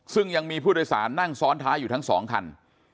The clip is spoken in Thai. ซึ่งยังมีผู้โดยสารนั่งซ้อนท้ายอยู่ทั้งสองคัน